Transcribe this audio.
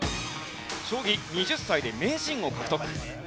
将棋２０歳で名人を獲得。